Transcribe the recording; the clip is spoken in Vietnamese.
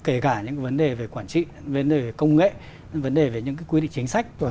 kể cả những vấn đề về quản trị vấn đề về công nghệ vấn đề về những quy định chính sách